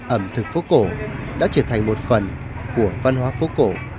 ẩm thực phố cổ đã trở thành một phần của văn hóa phố cổ